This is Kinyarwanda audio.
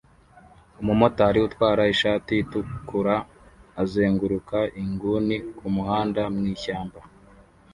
Umumotari utwara ishati itukura azenguruka inguni kumuhanda mwishyamba